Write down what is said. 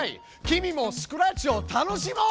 君もスクラッチを楽しもう！